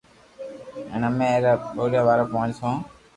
ھين امي اي را ٻوليا وارا پونچ سو خوندون